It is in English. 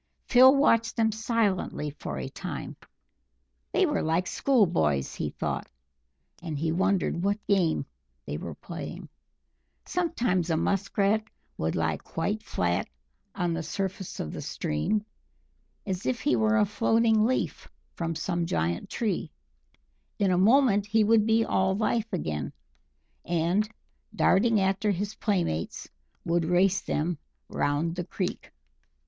Phil watched them silently for a time. They were like school boys, he thought, and he wondered what game they were playing. Sometimes a Musk Rat would lie quite flat on the surface of the stream, as if he were a floating leaf from some giant tree; in a moment he would be all life again, and, darting after his playmates, would race them round the creek.